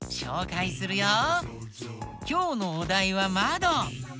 きょうのおだいは「まど」。